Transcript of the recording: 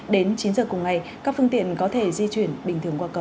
đến chín h cùng ngày các phương tiện có thể di chuyển bình thường qua cổ